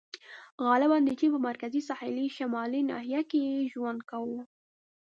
• غالباً د چین په مرکزي ساحلي شمالي ناحیه کې یې ژوند کاوه.